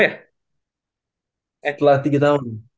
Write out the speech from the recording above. eh setelah tiga tahun